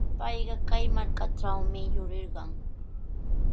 Payqa kay markatrawmi yurirqan.